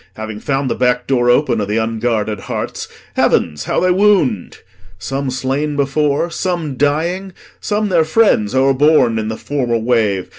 Having found the back door open Of the unguarded hearts, heavens, how they wound! Some slain before, some dying, some their friends O'erborne i' th' former wave.